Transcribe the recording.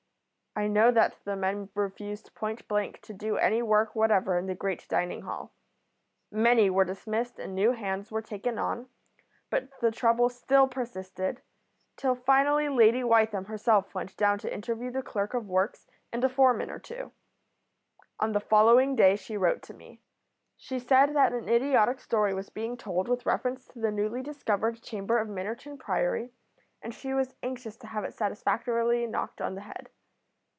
I know that the men refused point blank to do any work whatever in the great dining hall. Many were dismissed and new hands were taken on, but the trouble still persisted, till finally Lady Wytham herself went down to interview the clerk of works and a foreman or two. On the following day she wrote to me. She said that an idiotic story was being told with reference to the newly discovered chamber of Minnerton Priory, and she was anxious to have it satisfactorily knocked on the head.